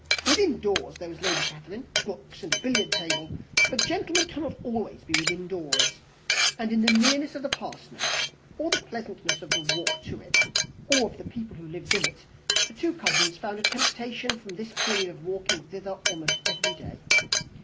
Within doors there was Lady Catherine, books, and a billiard table, but gentlemen cannot be always within doors; and in the nearness of the Parsonage, or the pleasantness of the walk to it, or of the people who lived in it, the two cousins found a temptation from this period of walking thither almost every day.